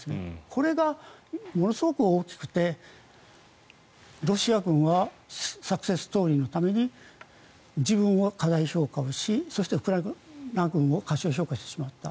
これがものすごく大きくてロシア軍はサクセスストーリーのために自分を過大評価をしそしてウクライナ軍を過小評価をしてしまった。